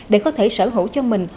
để có thể sở hữu cho mình